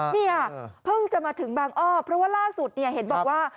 เนี่ยเพิ่งจะมาถึงบางอ้อเพราะว่าล่าสุดเนี่ยเห็นบอกว่า